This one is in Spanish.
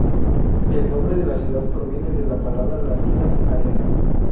El nombre de la ciudad proviene de la palabra latina "arena".